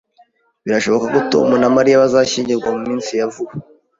Birashoboka ko Tom na Mariya bazashyingirwa mu minsi ya vuba